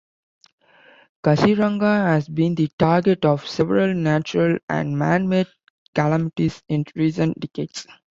Kaziranga has been the target of several natural and man-made calamities in recent decades.